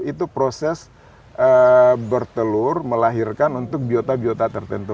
itu proses bertelur melahirkan untuk biota biota tertentu